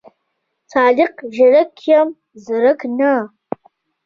صادق ژړک یم زرک نه.